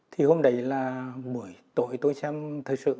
thì hôm đấy là buổi tối tôi xem thời sự